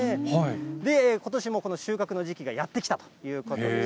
で、ことしも収穫の時期がやってきたということです。